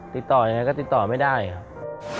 ติดต่อยังไงก็ติดต่อไม่ได้ครับ